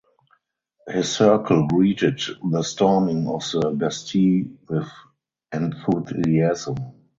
His circle greeted the Storming of the Bastille with enthusiasm.